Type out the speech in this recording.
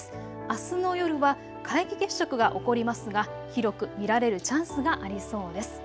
あすの夜は皆既月食が起こりますが広く見られるチャンスがありそうです。